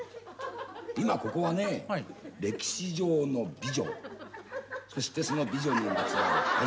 今ここはね歴史上の美女そしてその美女にまつわる愛！